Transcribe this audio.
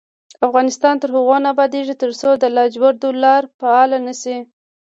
افغانستان تر هغو نه ابادیږي، ترڅو د لاجوردو لار فعاله نشي.